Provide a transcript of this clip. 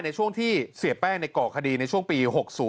ในช่วงที่เสียแป้งในก่อคดีในช่วงปี๖๐